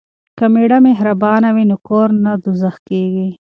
که میړه مهربان وي نو کور نه دوزخ کیږي.